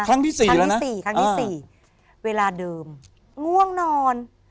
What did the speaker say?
ครั้งที่สี่ครั้งที่๔ครั้งที่สี่เวลาเดิมง่วงนอน